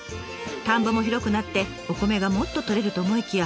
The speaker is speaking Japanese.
田んぼも広くなってお米がもっととれると思いきや